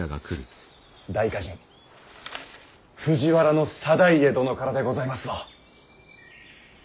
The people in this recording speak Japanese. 大歌人藤原定家殿からでございますぞ。